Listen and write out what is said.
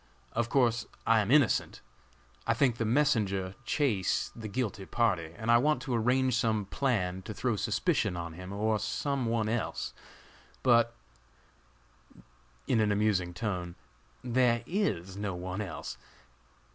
Of course, I am innocent! I think the messenger, Chase, the guilty party, and I want to arrange some plan to throw suspicion on him or some one else; but (in an amusing tone) there is no one else.